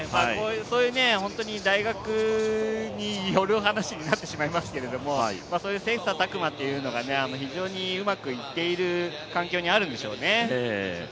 大学による話になってしまいますけれども、そういった切磋琢磨というのが非常にうまくいっている環境にあるんでしょうね。